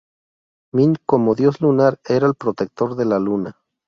Min, como dios lunar, era el "Protector de la Luna".